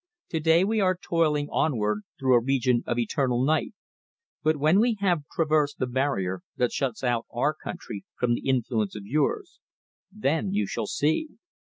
To day we are toiling onward through a region of eternal night, but when we have traversed the barrier that shuts out our country from the influence of yours then you shall see.